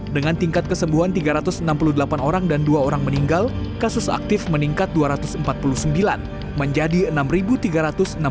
dengan tingkat kesembuhan tiga ratus enam puluh delapan orang dan dua orang meninggal kasus aktif meningkat dua ratus empat puluh sembilan menjadi enam tiga ratus enam puluh orang